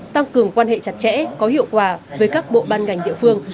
tăng cường quan hệ chặt chẽ có hiệu quả với các bộ ban ngành địa phương